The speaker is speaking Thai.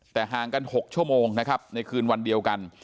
แต่ห่างกัน๖ชั่วโมงนะครับในคืนวันเดียวกัน